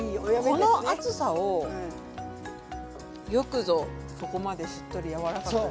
この厚さをよくぞここまでしっとり柔らかく。